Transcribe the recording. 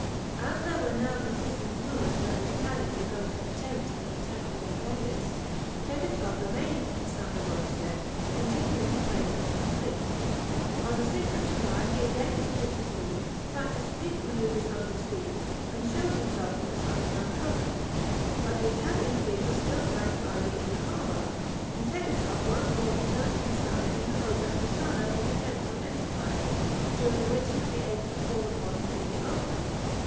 As there were now persistent rumours that the Italians were going to attempt an attack on Venice, Tegethoff remained in the Fasana roadstead, continuing the training of his fleet. On 6 July he again took it to sea, practised fleet manoeuvres under steam, and showed himself in sight of Ancona. But the Italian fleet was still lying idly in the harbour, and Tegethoff once more returned to Fasana in the hope that Persano would attempt some enterprise, during which he would be able to fall upon him in the open.